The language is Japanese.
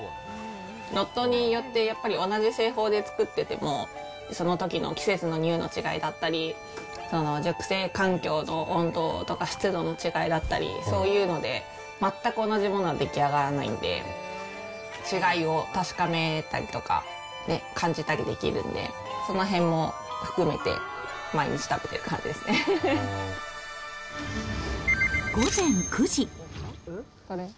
ロッドによって同じ製法で作っても、そのときの季節の乳の違いだったり、熟成環境の温度とか湿度の違いだったり、そういうので全く同じものは出来上がらないんで、違いを確かめたりとか、感じたりできるんで、そのへんも含めて、午前９時。